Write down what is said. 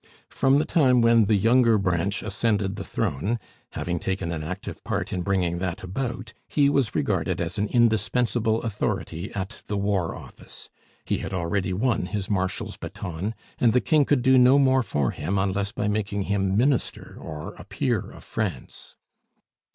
From the time when the younger branch ascended the throne, having taken an active part in bringing that about, he was regarded as an indispensable authority at the War Office. He had already won his Marshal's baton, and the King could do no more for him unless by making him minister or a peer of France.